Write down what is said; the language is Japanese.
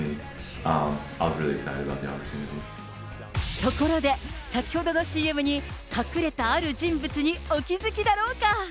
ところで、先ほどのＣＭに、隠れたある人物にお気づきだろうか。